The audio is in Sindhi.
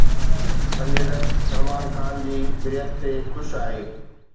سنجي دت سلمان خان جي بريت تي خوش آهي